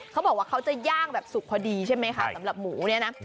เขาบอกว่าเขาจะย่างแบบสุกพอดีใช่ไหมคะสำหรับหมูเนี่ยนะ